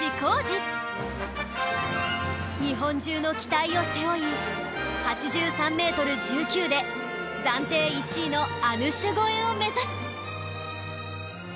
日本中の期待を背負い８３メートル１９で暫定１位のアヌシュ超えを目指す